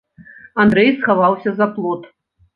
Андрэй схаваўся за плот.